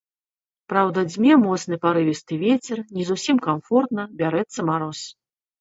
Праўда, дзьме моцны парывісты вецер, не зусім камфортна, бярэцца мароз.